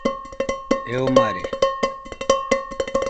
Eo mare